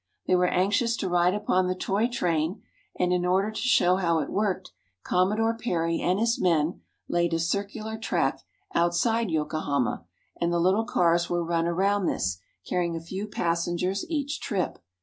They were anxious to ride upon the toy train, and in order to show how it worked. Com modore Perry and his men laid a circular track outside Yokohama, and the little cars were run around this, carry ing a few passengers each trip.